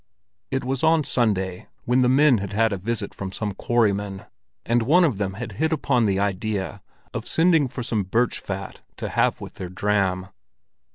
It was on Sunday, when the men had had a visit from some quarrymen, and one of them had hit upon the idea of sending for some birch fat to have with their dram.